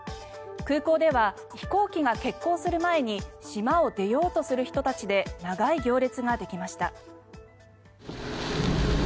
空港では飛行機が欠航する前に島を出ようとする人たちで長い行列ができました。